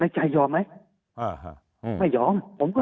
จะยอมมั้ยเรา